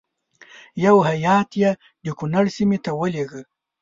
یو هیات یې د کنړ سیمې ته ولېږه.